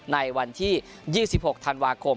ในวันที่๒๖ธันวาคม